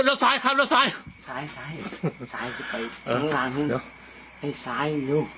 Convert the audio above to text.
ซ้ายซ้ายซ้ายซ้ายซ้ายซ้ายซ้ายซ้ายซ้ายซ้ายซ้ายซ้ายซ้ายซ้าย